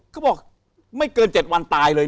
เขาบอกไม่เกิน๗วันตายเลย